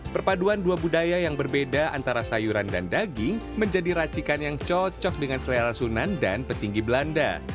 perpaduan dua budaya yang berbeda antara sayuran dan daging menjadi racikan yang cocok dengan selera sunan dan petinggi belanda